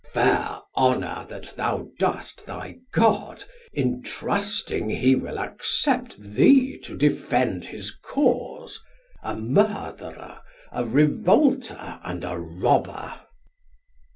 Har: Fair honour that thou dost thy God, in trusting He will accept thee to defend his cause, A Murtherer, a Revolter, and a Robber.